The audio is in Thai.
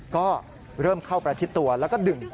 ก็เริ่มเข้าประชิดตัวแล้วก็ดึง